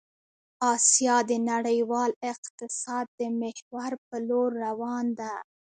آسيا د نړيوال اقتصاد د محور په لور روان ده